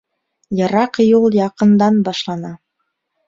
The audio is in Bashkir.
Йыраҡ юл яҡындан башлана.